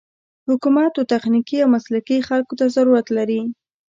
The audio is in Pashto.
حکومت و تخنيکي او مسلکي خلکو ته ضرورت لري.